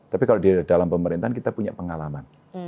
tapi kalau di dalam pemerintahan kita punya pengalaman